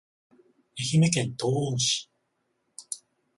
愛媛県東温市